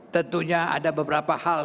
tentunya ada beberapa hal